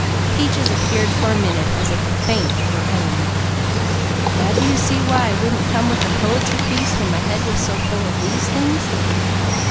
Peaches appeared for a minute as if a faint were imminent. "Now do you see why I couldn't come with a poetry piece when my head was so full of these things?"